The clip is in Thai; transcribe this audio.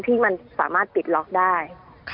ที่มันสามารถปิดล็อกได้